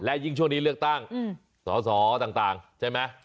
และยิ่งช่วงนี้เลือกตั้งหสใช่ไหม